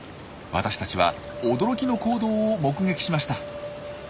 私たちは驚きの行動を目撃しました。